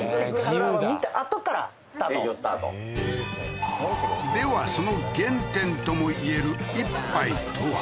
営業スタートではその原点ともいえる一杯とは？